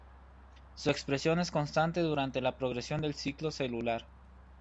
Su expresión es constante durante la progresión del ciclo celular.